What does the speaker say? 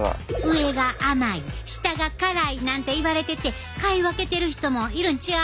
上が甘い下が辛いなんて言われてて買い分けてる人もいるんちゃう？